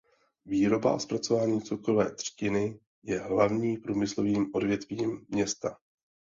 Výroba a zpracování cukrové třtiny je hlavní průmyslovým odvětvím města.